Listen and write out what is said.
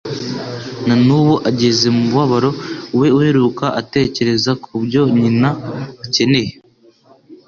Na n'ubu, ageze mu mubabaro we uheruka atekereza ku byo nyina akeneye,